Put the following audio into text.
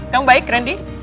kamu baik randy